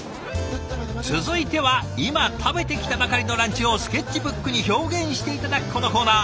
続いては今食べてきたばかりのランチをスケッチブックに表現して頂くこのコーナー。